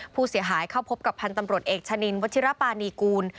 ผู้เสียหายเข้าพบกับพันธ์ตำรวจเอกชะนินวัชิรปานีกูล